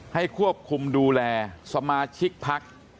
ให้ควบคุมดูแลสมาชิกภพ